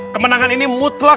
kemenangan ini mutlak